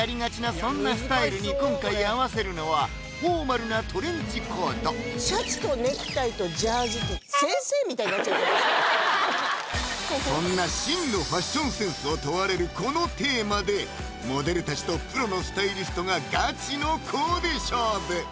そんなスタイルに今回合わせるのはフォーマルなトレンチコートシャツとネクタイとジャージってそんな真のファッションセンスを問われるこのテーマでモデルたちとプロのスタイリストがガチのコーデ勝負！